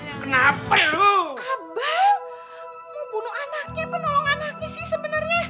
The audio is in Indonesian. mau bunuh anaknya apa nolong anaknya sih sebenernya